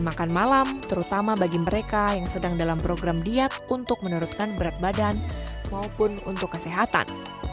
mereka juga tidak dihidupkan dalam program diet untuk menurunkan berat badan maupun untuk kesehatan